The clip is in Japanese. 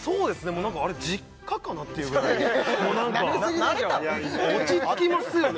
もう何かあれ実家かな？っていうぐらいもう何か落ち着きますよね